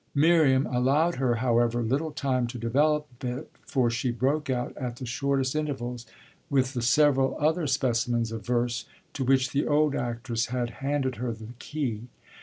Miriam allowed her, however, little time to develop it, for she broke out, at the shortest intervals, with the several other specimens of verse to which the old actress had handed her the key.